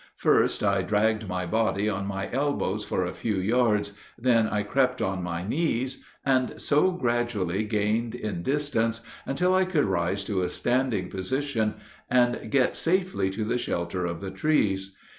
First I dragged my body on my elbows for a few yards, then I crept on my knees, and so gradually gained in distance until I could rise to a standing position and get safely to the shelter of the trees.